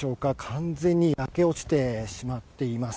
完全に焼け落ちてしまっています。